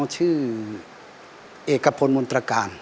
ชื่อเอกพลมนตรการ